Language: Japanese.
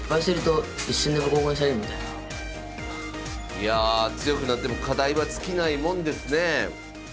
いや強くなっても課題は尽きないもんですねえ。